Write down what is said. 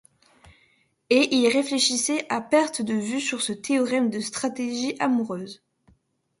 Et il réfléchissait à perte de vue sur ce théorème de stratégie amoureuse.